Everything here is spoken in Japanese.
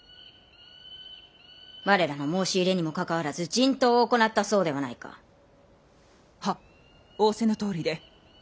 我らの申し入れにもかかわらず人痘を行ったそうではないか！は仰せのとおりで。